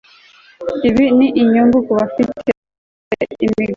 ibi ni inyungu ku bafite imigabane